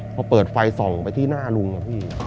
พอเปิดไฟส่องไปที่หน้าลุงอะพี่